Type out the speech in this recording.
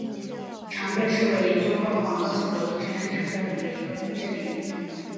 常被视为研究广告效果提升的市场调研的一个分支领域。